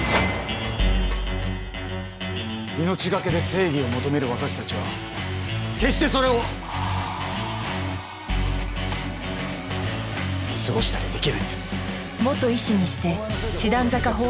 命懸けで正義を求める私たちは決してそれを見過ごしたりできないんです。